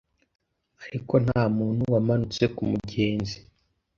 ariko ntamuntu wamanutse kumugenzi;